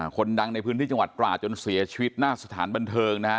คนดังในพื้นที่จังหวัดตราจนเสียชีวิตหน้าสถานบันเทิงนะฮะ